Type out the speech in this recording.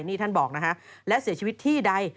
นี่ท่านบอกนะฮะและเสียชีวิตที่ใด